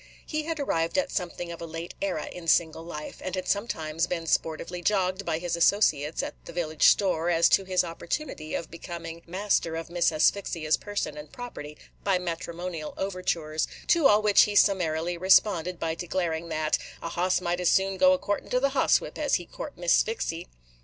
He had arrived at something of a late era in single life, and had sometimes been sportively jogged by his associates, at the village store, as to his opportunity of becoming master of Miss Asphyxia's person and property by matrimonial overtures; to all which he summarily responded by declaring that "a hoss might as soon go a courtin' to the hoss whip as he court Miss Sphyxy."